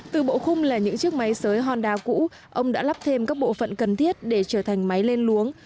từ bộ khung là những chiếc máy sới honda cũ ông đã lắp thêm các bộ phận cần thiết để trở thành máy lên luống